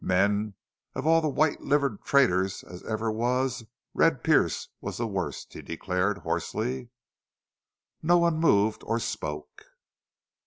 "Men, of all the white livered traitors as ever was Red Pearce was the worst!" he declared, hoarsely. No one moved or spoke.